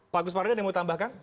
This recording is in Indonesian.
pak gus mardana mau tambahkan